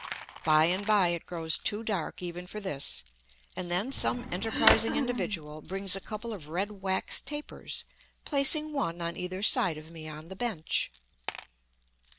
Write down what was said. By and by it grows too dark even for this, and then some enterprising individual brings a couple of red wax tapers, placing one on either side of me on the bench.